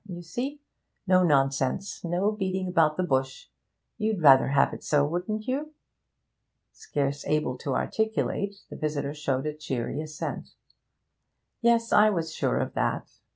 You see? No nonsense; no beating about the bush. You'd rather have it so, wouldn't you?' Scarce able to articulate, the visitor showed a cheery assent. 'Yes, I was sure of that.